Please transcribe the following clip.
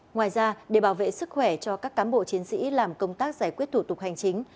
ngoài ra để bảo vệ sức khỏe cho các cán bộ chiến sĩ làm công tác giải quyết thủ tục hành chính